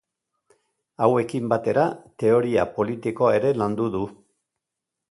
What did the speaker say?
Hauekin batera, teoria politikoa ere landu du.